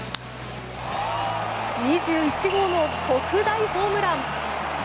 ２１号の特大ホームラン。